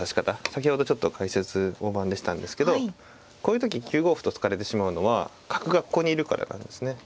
先ほどちょっと解説大盤でしたんですけどこういう時９五歩と突かれてしまうのは角がここにいるからなんですね。